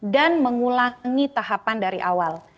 dan mengulangi tahapan dari awal